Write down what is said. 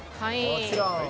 もちろん。